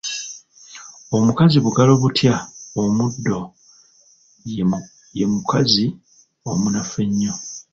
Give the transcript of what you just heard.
Omukazi bugalo butya omuddo ye mukazi omunafu ennyo.